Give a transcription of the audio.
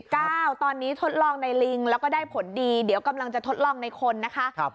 ตอนนี้ทดลองในลิงแล้วก็ได้ผลดีเดี๋ยวกำลังจะทดลองในคนนะคะ